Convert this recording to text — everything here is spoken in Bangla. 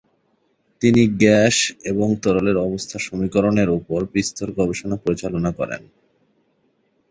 তিনি গ্যাস এবং তরলের অবস্থার সমীকরণের উপর বিস্তর গবেষণা পরিচালনা করেন।